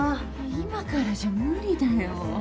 今からじゃ無理だよ。